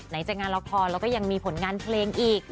จากงานละครแล้วก็ยังมีผลงานเพลงอีก